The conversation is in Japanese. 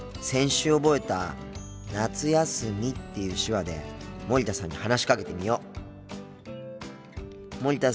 先週覚えた「夏休み」っていう手話で森田さんに話しかけてみよう。